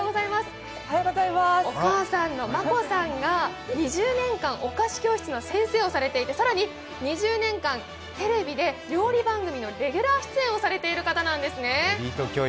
お母さんの真子さんが２０年間、お菓子教室の先生をされていて、更に２０年間テレビで料理番組のレギュラー出演をされている方なんですね。